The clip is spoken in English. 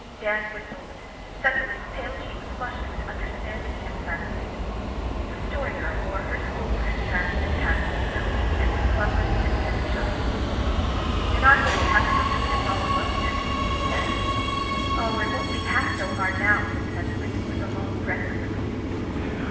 Dan whistled. Cecily's pale cheeks flushed with understanding and gratitude. The Story Girl wore her school print dress and hat also, and was gloveless and heavy shod. "You're not going to have to go through this all alone, Cecily," she said. "Oh, it won't be half so hard now," said Cecily, with a long breath of relief.